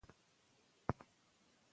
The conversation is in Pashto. روژه د دماغي عمر پر اوږدښت مثبت اغېز لري.